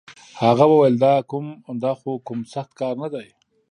هغه وويل دا خو کوم سخت کار نه دی.